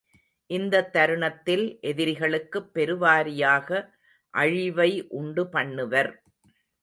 இந்தத் தருணத்தில் எதிரிகளுக்குப் பெருவாரியாக அழிவை உண்டு பண்ணுவர்.